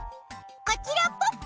こちらポッポ！